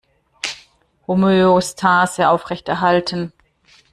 Homöostase aufrechterhalten!